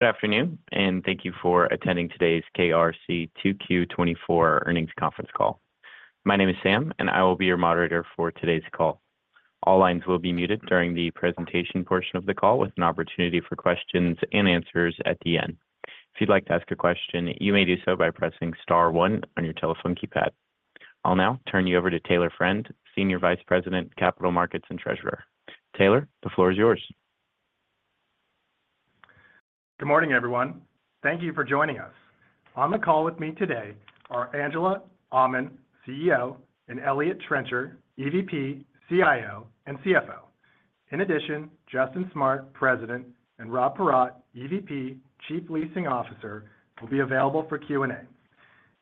Good afternoon, and thank you for attending today's KRC 2Q 2024 earnings conference call. My name is Sam, and I will be your moderator for today's call. All lines will be muted during the presentation portion of the call, with an opportunity for questions and answers at the end. If you'd like to ask a question, you may do so by pressing star one on your telephone keypad. I'll now turn you over to Taylor Friend, Senior Vice President, Capital Markets and Treasurer. Taylor, the floor is yours. Good morning, everyone. Thank you for joining us. On the call with me today are Angela Aman, CEO, and Eliott Trencher, EVP, CIO, and CFO. In addition, Justin Smart, President, and Rob Paratte, EVP, Chief Leasing Officer, will be available for Q&A.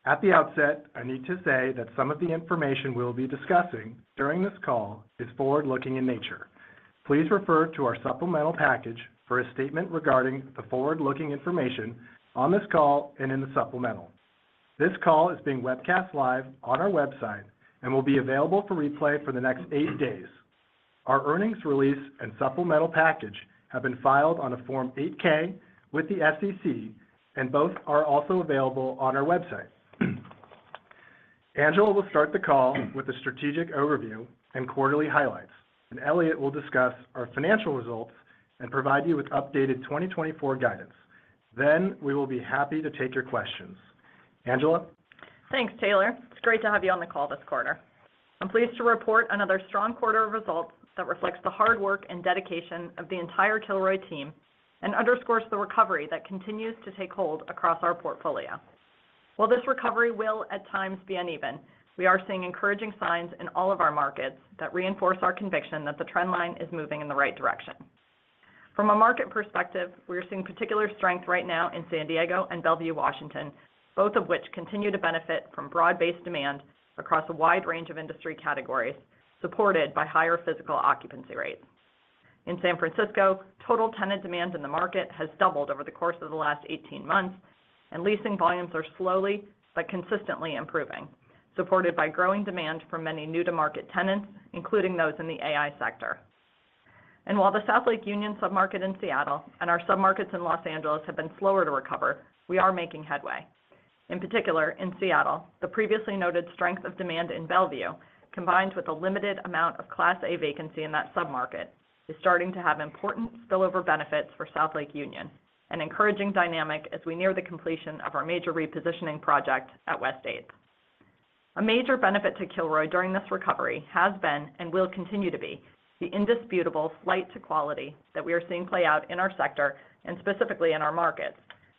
At the outset, I need to say that some of the information we'll be discussing during this call is forward-looking in nature. Please refer to our supplemental package for a statement regarding the forward-looking information on this call and in the supplemental. This call is being webcast live on our website and will be available for replay for the next eight days. Our earnings release and supplemental package have been filed on a Form 8-K with the SEC, and both are also available on our website. Angela will start the call with a strategic overview and quarterly highlights, and Eliott will discuss our financial results and provide you with updated 2024 guidance. Then, we will be happy to take your questions. Angela? Thanks, Taylor. It's great to have you on the call this quarter. I'm pleased to report another strong quarter of results that reflects the hard work and dedication of the entire Kilroy team and underscores the recovery that continues to take hold across our portfolio. While this recovery will at times be uneven, we are seeing encouraging signs in all of our markets that reinforce our conviction that the trend line is moving in the right direction. From a market perspective, we are seeing particular strength right now in San Diego and Bellevue, Washington, both of which continue to benefit from broad-based demand across a wide range of industry categories, supported by higher physical occupancy rates. In San Francisco, total tenant demand in the market has doubled over the course of the last 18 months, and leasing volumes are slowly but consistently improving, supported by growing demand from many new-to-market tenants, including those in the AI sector. While the South Lake Union submarket in Seattle and our submarkets in Los Angeles have been slower to recover, we are making headway. In particular, in Seattle, the previously noted strength of demand in Bellevue, combined with a limited amount of Class A vacancy in that submarket, is starting to have important spillover benefits for South Lake Union, an encouraging dynamic as we near the completion of our major repositioning project at West Eighth. A major benefit to Kilroy during this recovery has been, and will continue to be, the indisputable flight to quality that we are seeing play out in our sector and specifically in our markets,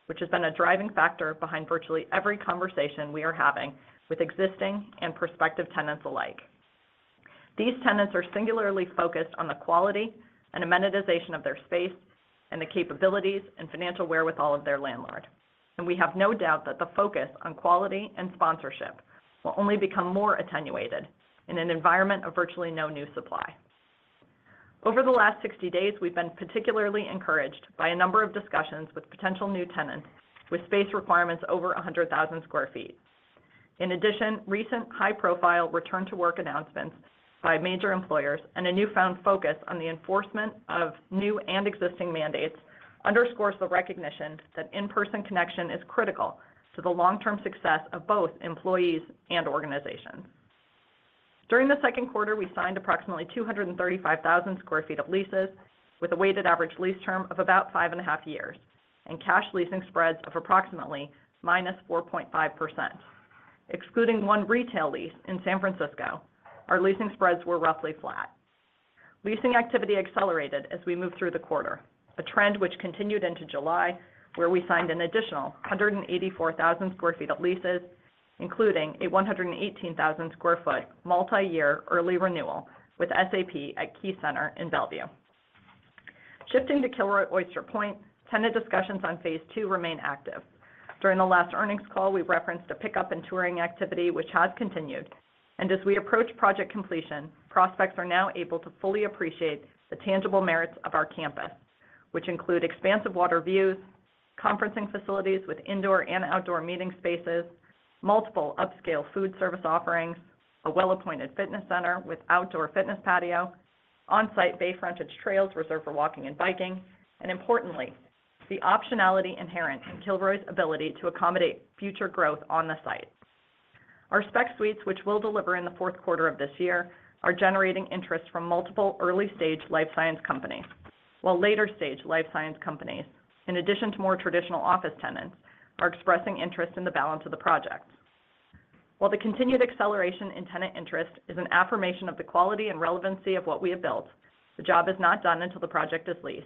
which has been a driving factor behind virtually every conversation we are having with existing and prospective tenants alike. These tenants are singularly focused on the quality and amenitization of their space and the capabilities and financial wherewithal of their landlord, and we have no doubt that the focus on quality and sponsorship will only become more attenuated in an environment of virtually no new supply. Over the last 60 days, we've been particularly encouraged by a number of discussions with potential new tenants with space requirements over 100,000 sq ft. In addition, recent high-profile return-to-work announcements by major employers and a newfound focus on the enforcement of new and existing mandates underscores the recognition that in-person connection is critical to the long-term success of both employees and organizations. During the Q2, we signed approximately 235,000 sq ft of leases, with a weighted average lease term of about 5.5 years, and cash leasing spreads of approximately -4.5%. Excluding one retail lease in San Francisco, our leasing spreads were roughly flat. Leasing activity accelerated as we moved through the quarter, a trend which continued into July, where we signed an additional 184,000 sq ft of leases, including a 118,000 sq ft multiyear early renewal with SAP at Key Center in Bellevue. Shifting to Kilroy Oyster Point, tenant discussions on phase two remain active. During the last earnings call, we referenced a pickup in touring activity, which has continued, and as we approach project completion, prospects are now able to fully appreciate the tangible merits of our campus, which include expansive water views, conferencing facilities with indoor and outdoor meeting spaces, multiple upscale food service offerings, a well-appointed fitness center with outdoor fitness patio, on-site Bay frontage trails reserved for walking and biking, and importantly, the optionality inherent in Kilroy's ability to accommodate future growth on the site. Our spec suites, which we'll deliver in the Q4 of this year, are generating interest from multiple early-stage life science companies, while later-stage life science companies, in addition to more traditional office tenants, are expressing interest in the balance of the project. While the continued acceleration in tenant interest is an affirmation of the quality and relevancy of what we have built, the job is not done until the project is leased.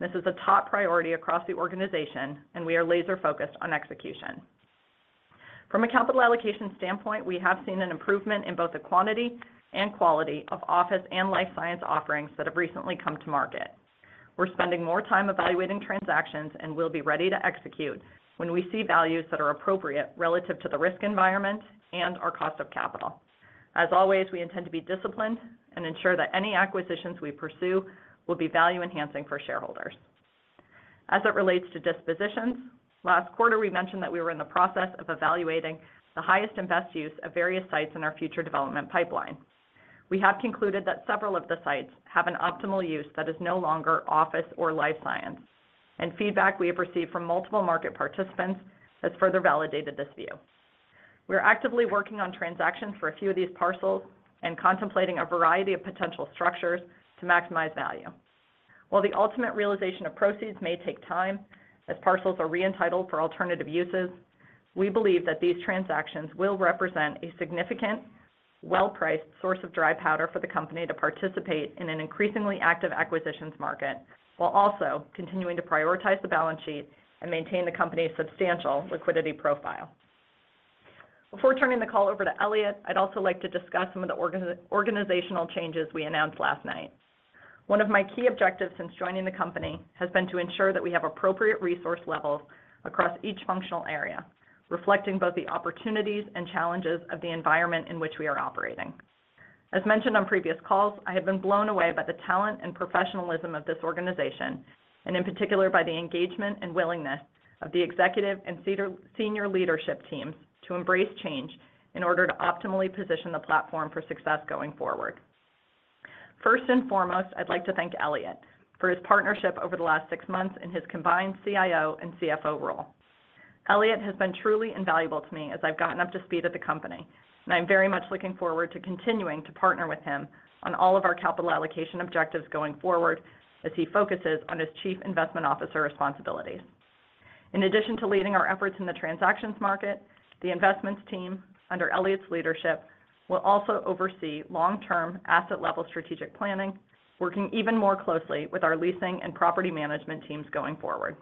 This is a top priority across the organization, and we are laser-focused on execution. From a capital allocation standpoint, we have seen an improvement in both the quantity and quality of office and life science offerings that have recently come to market. We're spending more time evaluating transactions and will be ready to execute when we see values that are appropriate relative to the risk environment and our cost of capital. As always, we intend to be disciplined and ensure that any acquisitions we pursue will be value-enhancing for shareholders. As it relates to dispositions, last quarter, we mentioned that we were in the process of evaluating the highest and best use of various sites in our future development pipeline... We have concluded that several of the sites have an optimal use that is no longer office or life science, and feedback we have received from multiple market participants has further validated this view. We are actively working on transactions for a few of these parcels and contemplating a variety of potential structures to maximize value. While the ultimate realization of proceeds may take time, as parcels are re-entitled for alternative uses, we believe that these transactions will represent a significant, well-priced source of dry powder for the company to participate in an increasingly active acquisitions market, while also continuing to prioritize the balance sheet and maintain the company's substantial liquidity profile. Before turning the call over to Eliott, I'd also like to discuss some of the organizational changes we announced last night. One of my key objectives since joining the company, has been to ensure that we have appropriate resource levels across each functional area, reflecting both the opportunities and challenges of the environment in which we are operating. As mentioned on previous calls, I have been blown away by the talent and professionalism of this organization, and in particular, by the engagement and willingness of the executive and senior leadership teams, to embrace change in order to optimally position the platform for success going forward. First and foremost, I'd like to thank Eliott, for his partnership over the last six months in his combined CIO and CFO role. Eliott has been truly invaluable to me as I've gotten up to speed at the company, and I'm very much looking forward to continuing to partner with him on all of our capital allocation objectives going forward, as he focuses on his Chief Investment Officer responsibilities. In addition to leading our efforts in the transactions market, the investments team, under Eliott's leadership, will also oversee long-term asset-level strategic planning, working even more closely with our leasing and property management teams going forward.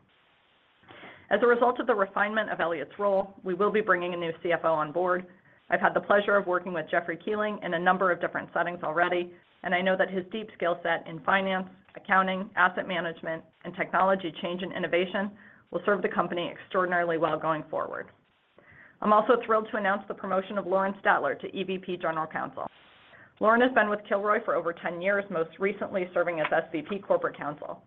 As a result of the refinement of Eliott's role, we will be bringing a new CFO on board. I've had the pleasure of working with Jeffrey Keeling in a number of different settings already, and I know that his deep skill set in finance, accounting, asset management, and technology change and innovation, will serve the company extraordinarily well going forward. I'm also thrilled to announce the promotion of Lauren Statler to EVP, General Counsel. Lauren has been with Kilroy for over 10 years, most recently serving as SVP, Corporate Counsel.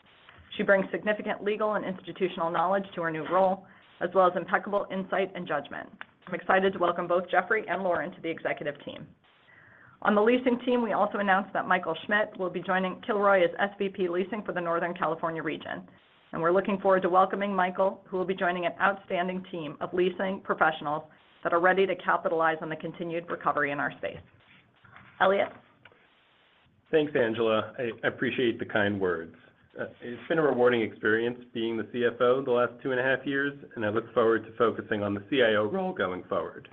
She brings significant legal and institutional knowledge to her new role, as well as impeccable insight and judgment. I'm excited to welcome both Jeffrey and Lauren to the executive team. On the leasing team, we also announced that Michael Schmidt will be joining Kilroy as SVP Leasing for the Northern California region. We're looking forward to welcoming Michael, who will be joining an outstanding team of leasing professionals that are ready to capitalize on the continued recovery in our space. Eliott? Thanks, Angela. I appreciate the kind words. It's been a rewarding experience being the CFO the last two and a half years, and I look forward to focusing on the CIO role going forward.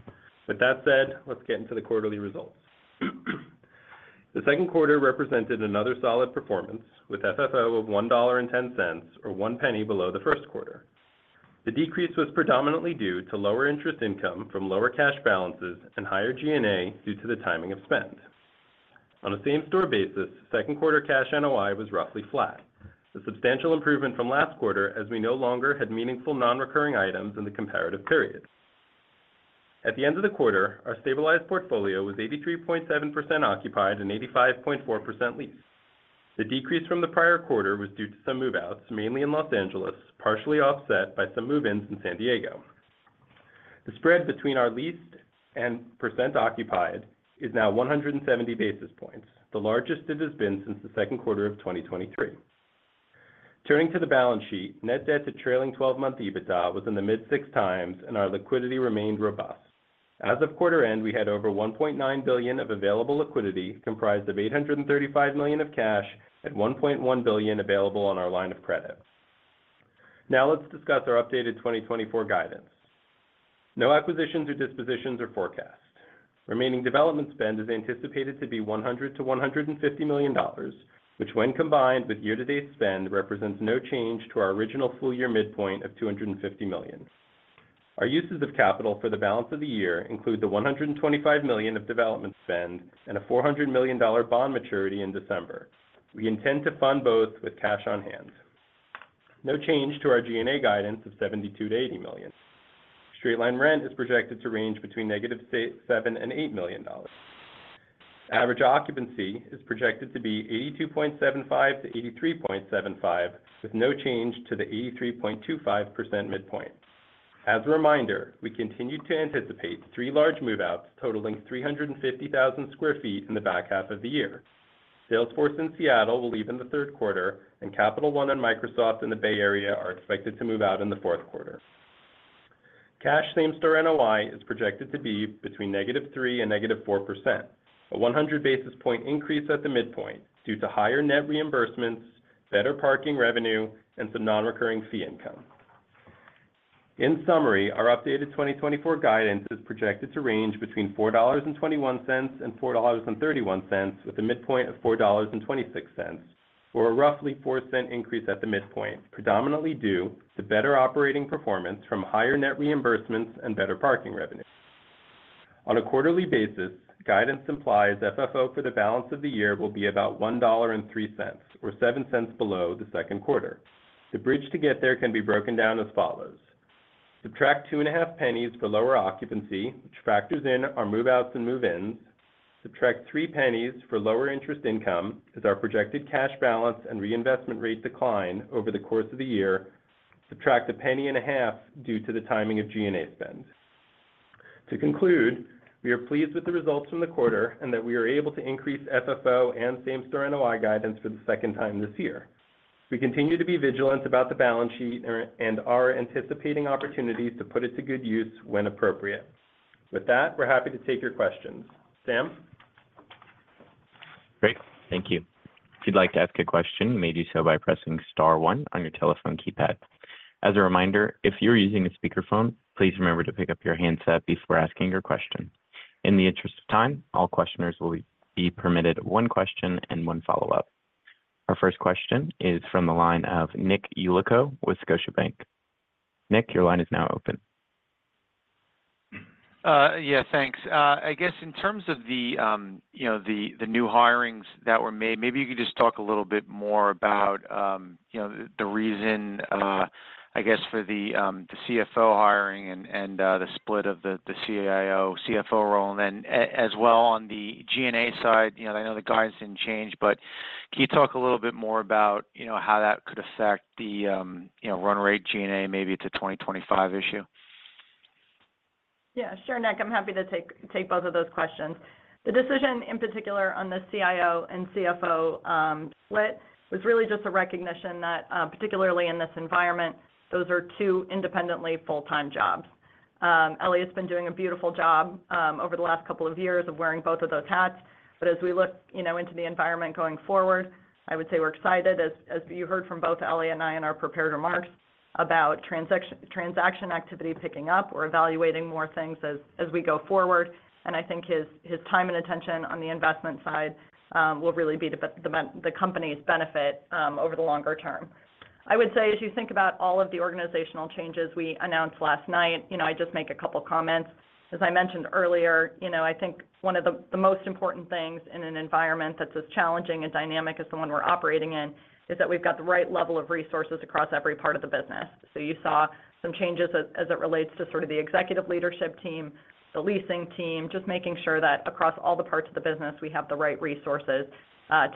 With that said, let's get into the quarterly results. The Q2 represented another solid performance, with FFO of $1.10, or $0.01 below the Q1. The decrease was predominantly due to lower interest income from lower cash balances and higher G&A, due to the timing of spend. On a same-store basis, Q2 cash NOI was roughly flat. The substantial improvement from last quarter, as we no longer had meaningful non-recurring items in the comparative period. At the end of the quarter, our stabilized portfolio was 83.7% occupied and 85.4% leased. The decrease from the prior quarter was due to some move-outs, mainly in Los Angeles, partially offset by some move-ins in San Diego. The spread between our leased and percent occupied is now 170 basis points, the largest it has been since the Q2 of 2023. Turning to the balance sheet, net debt to trailing twelve-month EBITDA was in the mid-6x, and our liquidity remained robust. As of quarter end, we had over $1.9 billion of available liquidity, comprised of $835 million of cash and $1.1 billion available on our line of credit. Now, let's discuss our updated 2024 guidance. No acquisitions or dispositions are forecast. Remaining development spend is anticipated to be $100 million-$150 million, which, when combined with year-to-date spend, represents no change to our original full year midpoint of $250 million. Our uses of capital for the balance of the year include the $125 million of development spend and a $400 million bond maturity in December. We intend to fund both with cash on hand. No change to our G&A guidance of $72 million-$80 million. Straight line rent is projected to range between negative seven and eight million dollars. Average occupancy is projected to be 82.75%-83.75%, with no change to the 83.25% midpoint. As a reminder, we continue to anticipate three large move-outs, totaling 350,000 sq ft in the back half of the year. Salesforce in Seattle will leave in the Q3, and Capital One and Microsoft in the Bay Area are expected to move out in the Q4. Cash same-store NOI is projected to be between -3% and -4%. A 100 basis point increase at the midpoint, due to higher net reimbursements, better parking revenue, and some non-recurring fee income. In summary, our updated 2024 guidance is projected to range between $4.21 and $4.31, with a midpoint of $4.26, or a roughly $0.04 increase at the midpoint, predominantly due to better operating performance from higher net reimbursements and better parking revenue. On a quarterly basis, guidance implies FFO for the balance of the year will be about $1.03, or 7 cents below the Q2. The bridge to get there can be broken down as follows: subtract 2.5 pennies for lower occupancy, which factors in our move-outs and move-ins. Subtract 3 pennies for lower interest income, as our projected cash balance and reinvestment rate decline over the course of the year-... subtract $0.015 due to the timing of G&A spend. To conclude, we are pleased with the results from the quarter, and that we are able to increase FFO and same-store NOI guidance for the second time this year. We continue to be vigilant about the balance sheet and are anticipating opportunities to put it to good use when appropriate. With that, we're happy to take your questions. Sam? Great, thank you. If you'd like to ask a question, you may do so by pressing star one on your telephone keypad. As a reminder, if you're using a speakerphone, please remember to pick up your handset before asking your question. In the interest of time, all questioners will be permitted one question and one follow-up. Our first question is from the line of Nick Yulico with Scotiabank. Nick, your line is now open. Yeah, thanks. I guess in terms of the, you know, the new hirings that were made, maybe you could just talk a little bit more about, you know, the reason, I guess, for the CFO hiring and, and, the split of the CIO, CFO role. And then as well on the G&A side, you know, I know the guidance didn't change, but can you talk a little bit more about, you know, how that could affect the, you know, run rate G&A, maybe it's a 2025 issue? Yeah, sure, Nick, I'm happy to take both of those questions. The decision, in particular, on the CIO and CFO split, was really just a recognition that, particularly in this environment, those are two independently full-time jobs. Eliott's been doing a beautiful job over the last couple of years of wearing both of those hats. But as we look, you know, into the environment going forward, I would say we're excited, as you heard from both Eliott and I in our prepared remarks, about transaction activity picking up. We're evaluating more things as we go forward, and I think his time and attention on the investment side will really be to the company's benefit over the longer term. I would say, as you think about all of the organizational changes we announced last night, you know, I'd just make a couple comments. As I mentioned earlier, you know, I think one of the, the most important things in an environment that's as challenging and dynamic as the one we're operating in, is that we've got the right level of resources across every part of the business. So you saw some changes as, as it relates to sort of the executive leadership team, the leasing team, just making sure that across all the parts of the business, we have the right resources,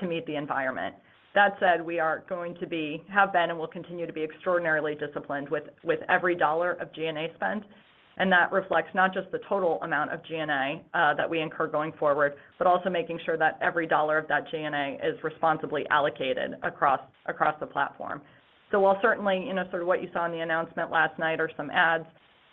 to meet the environment. That said, we have been and will continue to be extraordinarily disciplined with every dollar of G&A spend, and that reflects not just the total amount of G&A that we incur going forward, but also making sure that every dollar of that G&A is responsibly allocated across the platform. So while certainly, you know, sort of what you saw in the announcement last night are some ads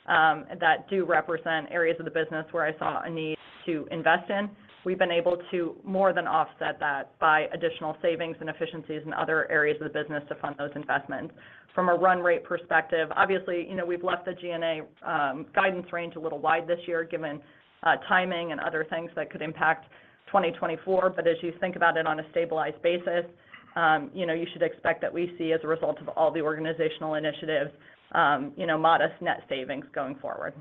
that do represent areas of the business where I saw a need to invest in, we've been able to more than offset that by additional savings and efficiencies in other areas of the business to fund those investments. From a run rate perspective, obviously, you know, we've left the G&A guidance range a little wide this year, given timing and other things that could impact 2024. But as you think about it on a stabilized basis, you know, you should expect that we see, as a result of all the organizational initiatives, you know, modest net savings going forward.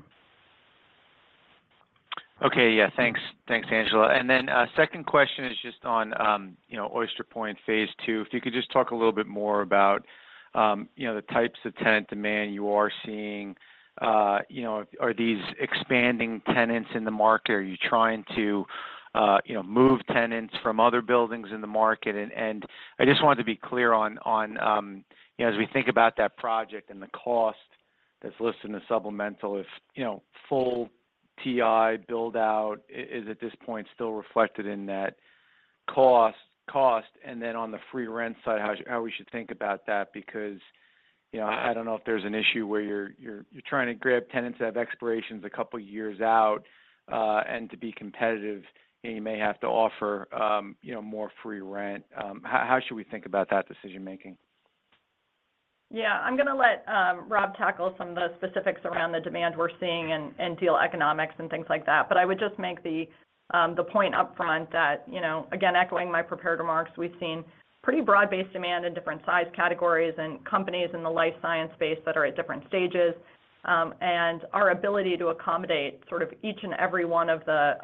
Okay, yeah. Thanks. Thanks, Angela. And then, second question is just on, you know, Oyster Point Phase Two. If you could just talk a little bit more about, you know, the types of tenant demand you are seeing. You know, are these expanding tenants in the market? Are you trying to, you know, move tenants from other buildings in the market? And I just wanted to be clear on, on, you know, as we think about that project and the cost that's listed in the supplemental, if, you know, full TI build-out is, at this point, still reflected in that cost. And then on the free rent side, how we should think about that? Because, you know, I don't know if there's an issue where you're trying to grab tenants that have expirations a couple years out, and to be competitive, and you may have to offer, you know, more free rent. How should we think about that decision-making? Yeah, I'm gonna let Rob tackle some of the specifics around the demand we're seeing and deal economics and things like that. But I would just make the point upfront that, you know, again, echoing my prepared remarks, we've seen pretty broad-based demand in different size categories and companies in the life science space that are at different stages. And our ability to accommodate sort of each and every one of the,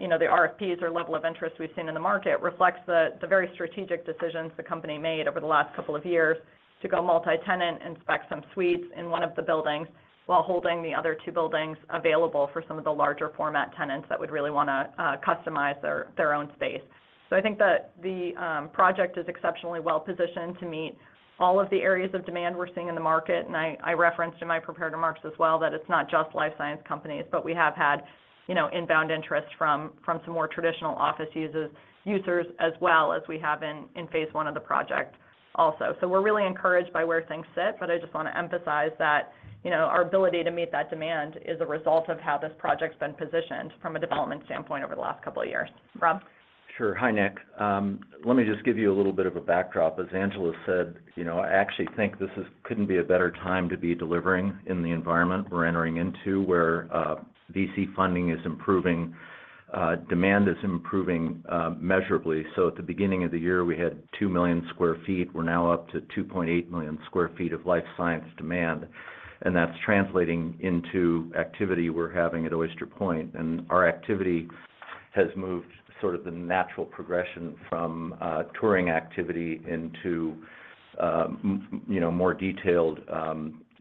you know, the RFPs or level of interest we've seen in the market reflects the very strategic decisions the company made over the last couple of years to go multi-tenant and spec some suites in one of the buildings, while holding the other two buildings available for some of the larger format tenants that would really wanna customize their, their own space. So I think that the project is exceptionally well positioned to meet all of the areas of demand we're seeing in the market. And I referenced in my prepared remarks as well, that it's not just life science companies, but we have had, you know, inbound interest from some more traditional office users as well as we have in phase one of the project also. So we're really encouraged by where things sit, but I just wanna emphasize that, you know, our ability to meet that demand is a result of how this project's been positioned from a development standpoint over the last couple of years. Rob? Sure. Hi, Nick. Let me just give you a little bit of a backdrop. As Angela said, you know, I actually think this is couldn't be a better time to be delivering in the environment we're entering into, where VC funding is improving, demand is improving measurably. So at the beginning of the year, we had 2 million sq ft. We're now up to 2.8 million sq ft of life science demand, and that's translating into activity we're having at Oyster Point. And our activity has moved sort of the natural progression from touring activity into, you know, more detailed,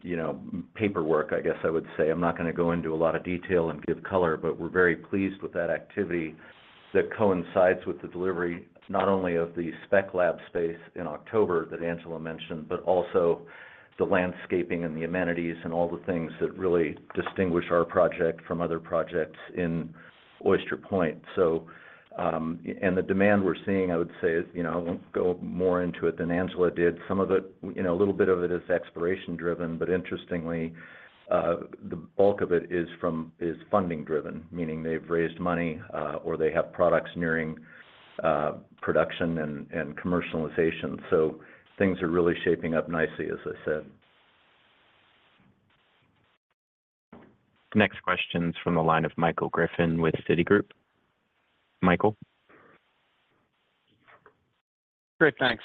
you know, paperwork, I guess I would say. I'm not gonna go into a lot of detail and give color, but we're very pleased with that activity that coincides with the delivery, not only of the spec lab space in October that Angela mentioned, but also the landscaping and the amenities and all the things that really distinguish our project from other projects in Oyster Point. So, and the demand we're seeing, I would say, is, you know, I won't go more into it than Angela did. Some of it, you know, a little bit of it is exploration driven, but interestingly, the bulk of it is funding driven, meaning they've raised money, or they have products nearing production and commercialization. So things are really shaping up nicely, as I said. Next question is from the line of Michael Griffin with Citigroup. Michael? Great, thanks.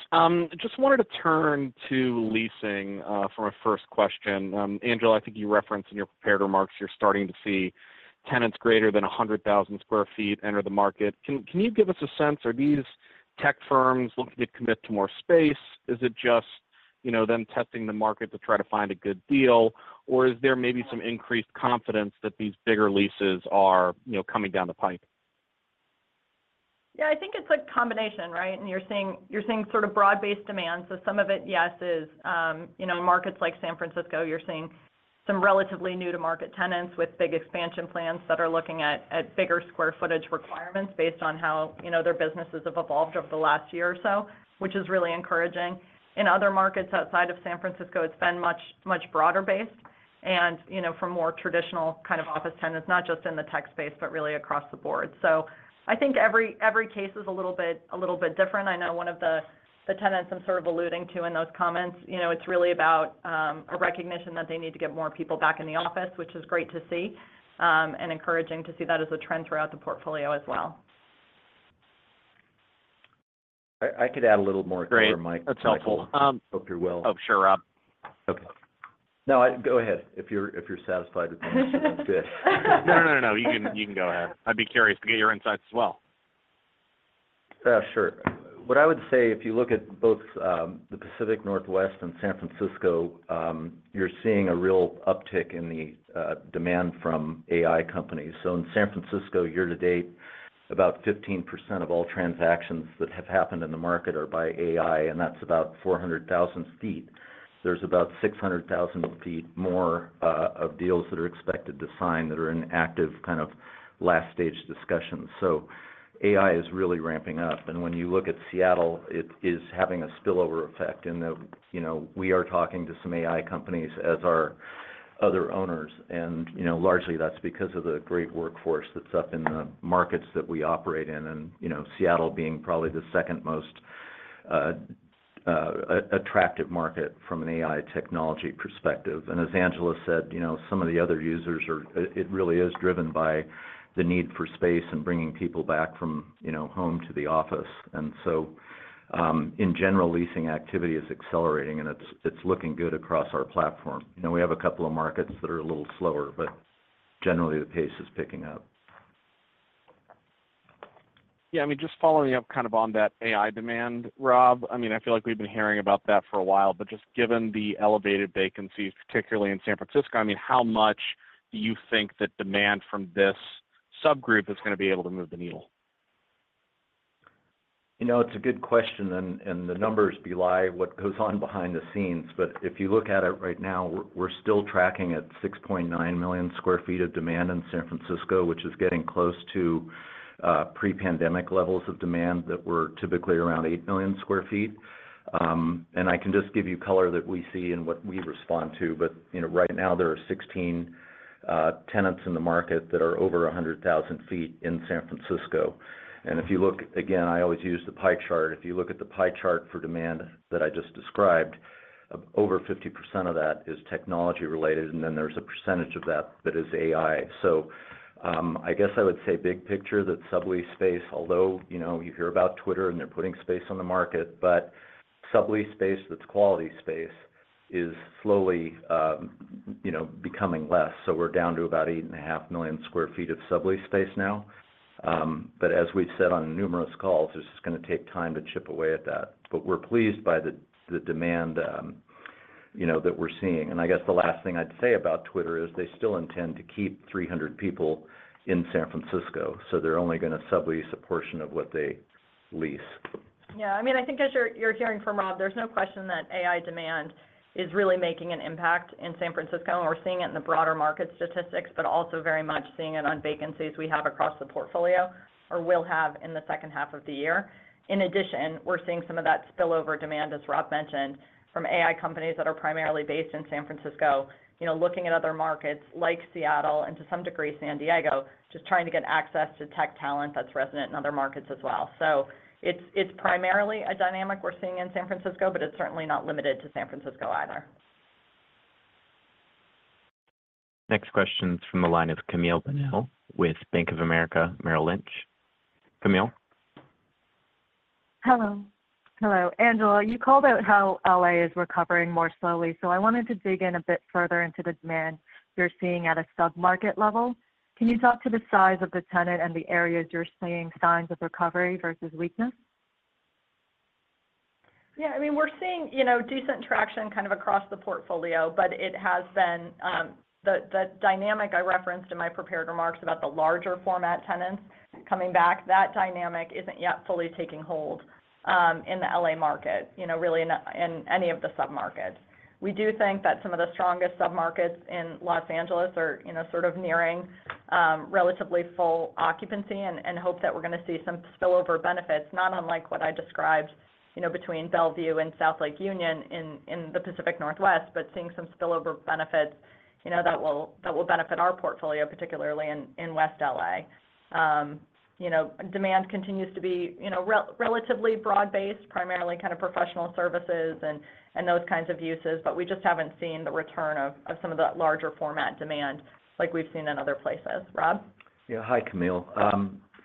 Just wanted to turn to leasing for my first question. Angela, I think you referenced in your prepared remarks, you're starting to see tenants greater than 100,000 sq ft enter the market. Can you give us a sense, are these tech firms looking to commit to more space? Is it just, you know, them testing the market to try to find a good deal? Or is there maybe some increased confidence that these bigger leases are, you know, coming down the pipe? Yeah, I think it's a combination, right? And you're seeing, you're seeing sort of broad-based demand. So some of it, yes, is, you know, markets like San Francisco, you're seeing some relatively new-to-market tenants with big expansion plans that are looking at, at bigger square footage requirements based on how, you know, their businesses have evolved over the last year or so, which is really encouraging. In other markets outside of San Francisco, it's been much, much broader-based and, you know, from more traditional kind of office tenants, not just in the tech space, but really across the board. So I think every, every case is a little bit, a little bit different. I know one of the tenants I'm sort of alluding to in those comments, you know, it's really about a recognition that they need to get more people back in the office, which is great to see, and encouraging to see that as a trend throughout the portfolio as well. I could add a little more color, Mike- Great. That's helpful. Hope you're well. Oh, sure, Rob. Okay. No, go ahead. If you're, if you're satisfied with what you said, that's good. No, no, no, no, you can, you can go ahead. I'd be curious to get your insights as well. Sure. What I would say, if you look at both the Pacific Northwest and San Francisco, you're seeing a real uptick in the demand from AI companies. So in San Francisco, year to date, about 15% of all transactions that have happened in the market are by AI, and that's about 400,000 sq ft. There's about 600,000 sq ft more of deals that are expected to sign, that are in active kind of last stage discussions. So AI is really ramping up, and when you look at Seattle, it is having a spillover effect. You know, we are talking to some AI companies as are other owners, and you know, largely that's because of the great workforce that's up in the markets that we operate in, and you know, Seattle being probably the second most attractive market from an AI technology perspective. As Angela said, you know, some of the other users are. It really is driven by the need for space and bringing people back from, you know, home to the office. So, in general, leasing activity is accelerating, and it's looking good across our platform. You know, we have a couple of markets that are a little slower, but generally, the pace is picking up. Yeah, I mean, just following up kind of on that AI demand, Rob, I mean, I feel like we've been hearing about that for a while, but just given the elevated vacancies, particularly in San Francisco, I mean, how much do you think that demand from this subgroup is gonna be able to move the needle? You know, it's a good question, and, and the numbers belie what goes on behind the scenes. But if you look at it right now, we're, we're still tracking at 6.9 million sq ft of demand in San Francisco, which is getting close to pre-pandemic levels of demand that were typically around 8 million sq ft. And I can just give you color that we see and what we respond to, but, you know, right now there are 16 tenants in the market that are over 100,000 sq ft in San Francisco. And if you look, again, I always use the pie chart. If you look at the pie chart for demand that I just described, over 50% of that is technology-related, and then there's a percentage of that, that is AI. So, I guess I would say big picture, that sublease space, although, you know, you hear about Twitter, and they're putting space on the market, but sublease space, that's quality space, is slowly, you know, becoming less. So we're down to about 8.5 million sq ft of sublease space now. But as we've said on numerous calls, it's just gonna take time to chip away at that. But we're pleased by the, the demand, you know, that we're seeing. And I guess the last thing I'd say about Twitter is they still intend to keep 300 people in San Francisco, so they're only gonna sublease a portion of what they lease. Yeah, I mean, I think as you're hearing from Rob, there's no question that AI demand is really making an impact in San Francisco, and we're seeing it in the broader market statistics, but also very much seeing it on vacancies we have across the portfolio or will have in the second half of the year. In addition, we're seeing some of that spillover demand, as Rob mentioned, from AI companies that are primarily based in San Francisco, you know, looking at other markets like Seattle and to some degree, San Diego, just trying to get access to tech talent that's resonant in other markets as well. So it's primarily a dynamic we're seeing in San Francisco, but it's certainly not limited to San Francisco either. Next question is from the line of Camille Bunnell with Bank of America Merrill Lynch. Camille? Hello. Hello, Angela, you called out how LA is recovering more slowly, so I wanted to dig in a bit further into the demand you're seeing at a sub-market level. Can you talk to the size of the tenant and the areas you're seeing signs of recovery versus weakness? Yeah, I mean, we're seeing, you know, decent traction kind of across the portfolio, but it has been, the, the dynamic I referenced in my prepared remarks about the larger format tenants coming back, that dynamic isn't yet fully taking hold. In the L.A. market, you know, really in, in any of the submarkets. We do think that some of the strongest submarkets in Los Angeles are, you know, sort of nearing, relatively full occupancy, and, and hope that we're gonna see some spillover benefits, not unlike what I described, you know, between Bellevue and South Lake Union in, in the Pacific Northwest, but seeing some spillover benefits, you know, that will, that will benefit our portfolio, particularly in, in West L.A. You know, demand continues to be, you know, relatively broad-based, primarily kind of professional services and those kinds of uses, but we just haven't seen the return of some of that larger format demand like we've seen in other places. Rob? Yeah, hi, Camille.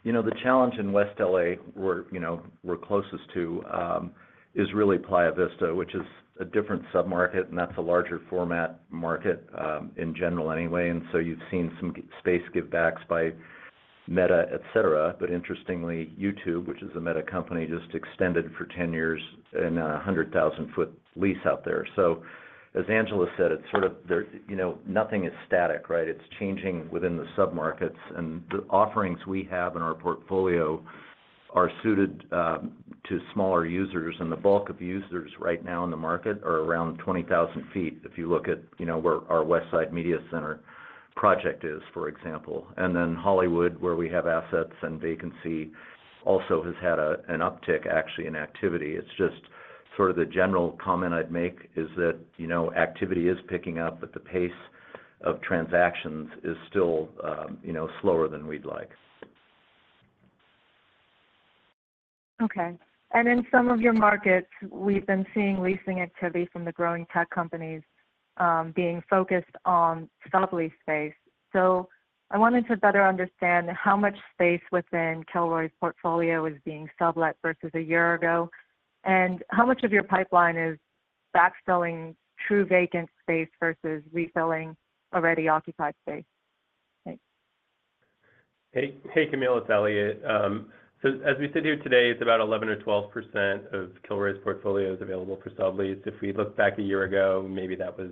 You know, the challenge in West LA we're, you know, we're closest to, is really Playa Vista, which is a different submarket, and that's a larger format market, in general anyway. And so you've seen some space givebacks by Meta, et cetera. But interestingly, YouTube, which is a Meta company, just extended for 10 years in a 100,000 sq ft lease out there. So as Angela said, it's sort of there... You know, nothing is static, right? It's changing within the submarkets, and the offerings we have in our portfolio are suited, to smaller users, and the bulk of users right now in the market are around 20,000 sq ft. If you look at, you know, where our Westside Media Center project is, for example, and then Hollywood, where we have assets and vacancy, also has had an uptick, actually, in activity. It's just sort of the general comment I'd make is that, you know, activity is picking up, but the pace of transactions is still, you know, slower than we'd like. Okay. In some of your markets, we've been seeing leasing activity from the growing tech companies, being focused on sublease space. I wanted to better understand how much space within Kilroy's portfolio is being sublet versus a year ago, and how much of your pipeline is backfilling true vacant space versus refilling already occupied space? Thanks. Hey, hey, Camille, it's Eliott. So as we sit here today, it's about 11% or 12% of Kilroy's portfolio is available for sublease. If we look back a year ago, maybe that was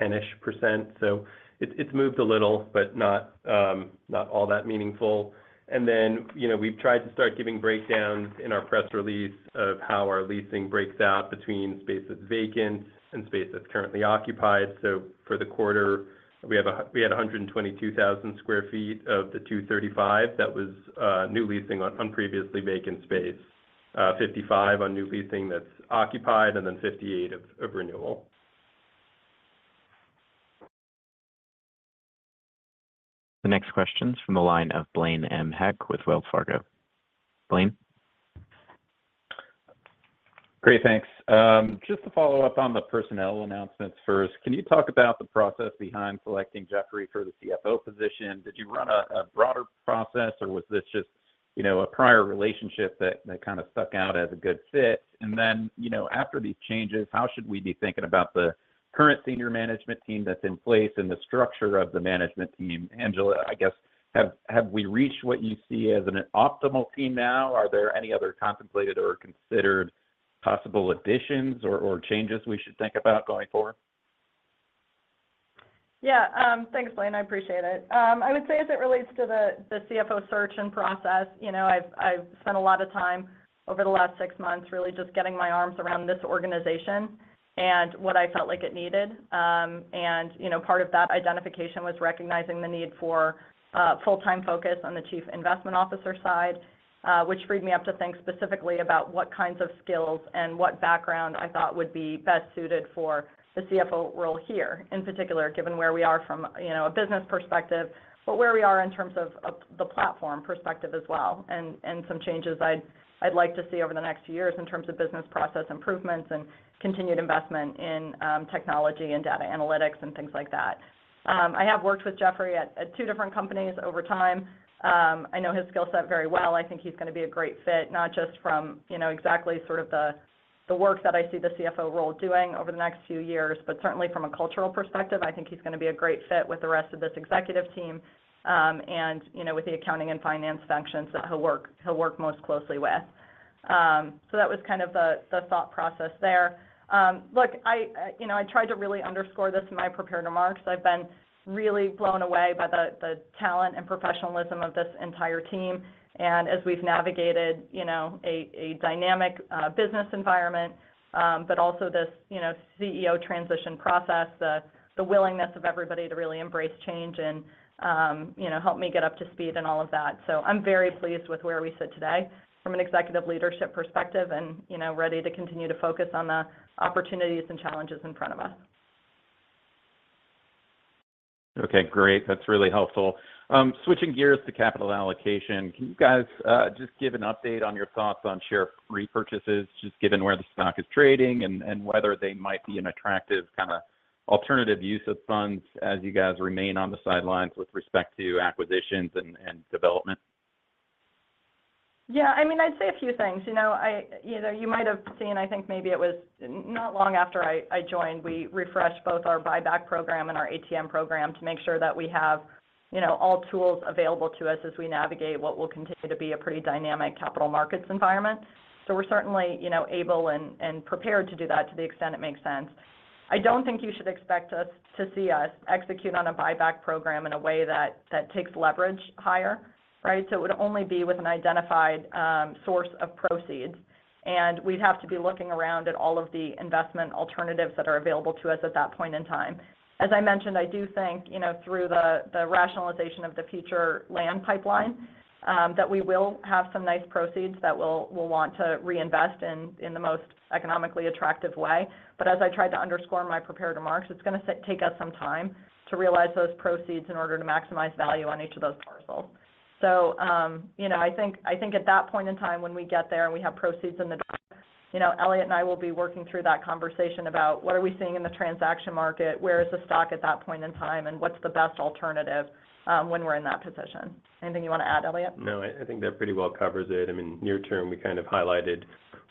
10%-ish%. So it's, it's moved a little, but not, not all that meaningful. And then, you know, we've tried to start giving breakdowns in our press release of how our leasing breaks out between space that's vacant and space that's currently occupied. So for the quarter, we had 122,000 sq ft of the 235. That was new leasing on previously vacant space, 55 on new leasing that's occupied, and then 58 of renewal. The next question is from the line of Blaine M. Heck with Wells Fargo. Blaine? Great, thanks. Just to follow up on the personnel announcements first, can you talk about the process behind selecting Jeffrey for the CFO position? Did you run a broader process, or was this just, you know, a prior relationship that kind of stuck out as a good fit? And then, you know, after these changes, how should we be thinking about the current senior management team that's in place and the structure of the management team? Angela, I guess, have we reached what you see as an optimal team now? Are there any other contemplated or considered possible additions or changes we should think about going forward? Yeah, thanks, Blaine. I appreciate it. I would say, as it relates to the CFO search and process, you know, I've spent a lot of time over the last six months really just getting my arms around this organization and what I felt like it needed. And, you know, part of that identification was recognizing the need for full-time focus on the Chief Investment Officer side, which freed me up to think specifically about what kinds of skills and what background I thought would be best suited for the CFO role here, in particular, given where we are from, you know, a business perspective, but where we are in terms of the platform perspective as well, and some changes I'd like to see over the next few years in terms of business process improvements and continued investment in technology and data analytics and things like that. I have worked with Jeffrey at two different companies over time. I know his skill set very well. I think he's gonna be a great fit, not just from, you know, exactly sort of the work that I see the CFO role doing over the next few years, but certainly from a cultural perspective. I think he's gonna be a great fit with the rest of this executive team, and, you know, with the accounting and finance functions that he'll work most closely with. So that was kind of the thought process there. Look, you know, I tried to really underscore this in my prepared remarks. I've been really blown away by the talent and professionalism of this entire team. And as we've navigated, you know, a dynamic business environment, but also this, you know, CEO transition process, the willingness of everybody to really embrace change and, you know, help me get up to speed and all of that. So I'm very pleased with where we sit today from an executive leadership perspective and, you know, ready to continue to focus on the opportunities and challenges in front of us. Okay, great. That's really helpful. Switching gears to capital allocation, can you guys just give an update on your thoughts on share repurchases, just given where the stock is trading and whether they might be an attractive kind of alternative use of funds as you guys remain on the sidelines with respect to acquisitions and development? Yeah, I mean, I'd say a few things. You know, either you might have seen, I think maybe it was not long after I joined, we refreshed both our buyback program and our ATM program to make sure that we have, you know, all tools available to us as we navigate what will continue to be a pretty dynamic capital markets environment. So we're certainly, you know, able and prepared to do that to the extent it makes sense. I don't think you should expect us to see us execute on a buyback program in a way that takes leverage higher, right? So it would only be with an identified source of proceeds, and we'd have to be looking around at all of the investment alternatives that are available to us at that point in time. As I mentioned, I do think, you know, through the rationalization of the future land pipeline, that we will have some nice proceeds that we'll want to reinvest in the most economically attractive way. But as I tried to underscore in my prepared remarks, it's gonna take us some time to realize those proceeds in order to maximize value on each of those parcels. So, you know, I think at that point in time, when we get there and we have proceeds in the door, you know, Eliott and I will be working through that conversation about what are we seeing in the transaction market? Where is the stock at that point in time, and what's the best alternative when we're in that position? Anything you wanna add, Eliott? No, I, I think that pretty well covers it. I mean, near term, we kind of highlighted